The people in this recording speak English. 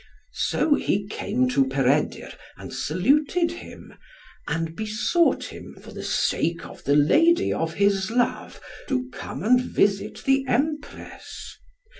So he came to Peredur, and saluted him, and besought him, for the sake of the lady of his love, to come and visit the Empress.